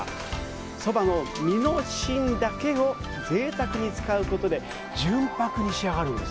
そばの実の芯だけをぜいたくに使うことで純白に仕上がるんです。